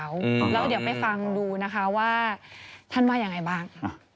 แล้วเดี๋ยวไปฟังดูนะคะว่าท่านว่ายังไงบ้าง